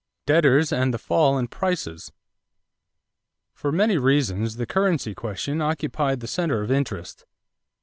=Debtors and the Fall in Prices.= For many reasons the currency question occupied the center of interest.